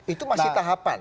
itu masih tahapan